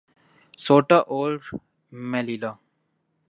Ceuta اور Melilla